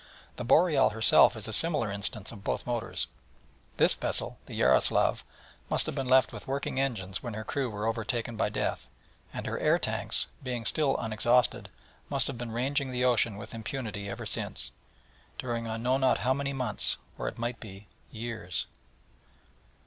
The Boreal herself is a similar instance of both motors. This vessel, the Yaroslav, must have been left with working engines when her crew were overtaken by death, and, her air tanks being still unexhausted, must have been ranging the ocean with impunity ever since, during I knew not how many months, or, it might be, years.